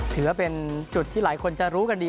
ถือว่าเป็นจุดที่หลายคนจะรู้กันดี